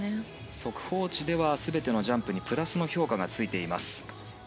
速報値では全てのジャンプにプラスの評価がついています。